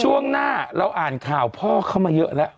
ช่วงหน้าเราอ่านข่าวพ่อเข้ามาเยอะแล้ว